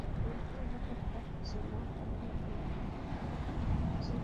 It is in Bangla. কিন্তু এবার প্রত্যাশা ছিল, কারণে দীর্ঘদিন ভারপ্রাপ্ত মহাসচিব দিয়ে কাজ চলছিল।